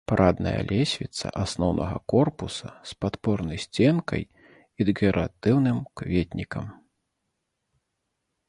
Парадная лесвіца асноўнага корпуса з падпорнай сценкай і дэкаратыўным кветнікам.